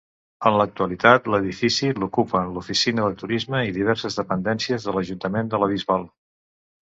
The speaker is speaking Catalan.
En l'actualitat l'edifici l'ocupen l'oficina de turisme i diverses dependències de l'Ajuntament de la Bisbal.